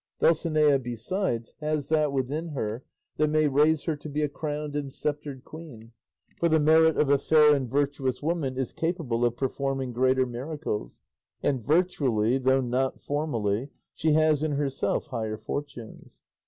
Dulcinea, besides, has that within her that may raise her to be a crowned and sceptred queen; for the merit of a fair and virtuous woman is capable of performing greater miracles; and virtually, though not formally, she has in herself higher fortunes."